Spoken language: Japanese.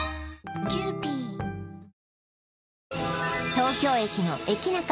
東京駅の駅ナカ